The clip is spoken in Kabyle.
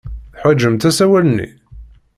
Teḥwajemt asawal-nni?